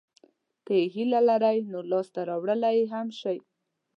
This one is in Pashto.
که یې هیله لرئ نو لاسته راوړلای یې هم شئ.